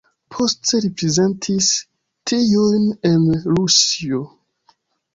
Poste li prezentis tiujn en Rusio.